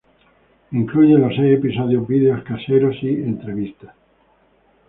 Incluye los seis episodios, videos caseros y entrevistas.